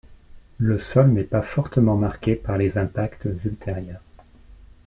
Le sol n'est pas fortement marquée par les impacts ultérieurs.